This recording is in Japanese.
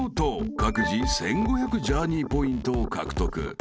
各自１，５００ジャーニーポイントを獲得］